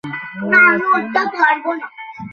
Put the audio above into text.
এযাবৎ তিনি যুক্তরাষ্ট্রে বসবাস করছেন।